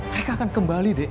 mereka akan kembali d